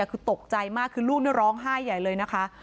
คือตกใจมากคือลูกนี่ร้องไห้ใหญ่เลยนะคะ